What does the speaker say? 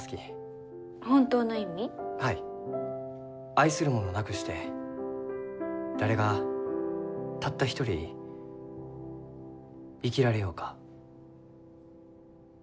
「愛する者なくして誰がたった一人生きられようか？」。